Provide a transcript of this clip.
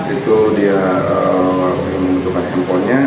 itu dia yang membutuhkan handphonenya